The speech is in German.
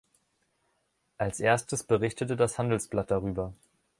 Als erstes berichtete das Handelsblatt darüber.